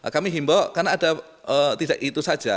kami himbau karena ada tidak itu saja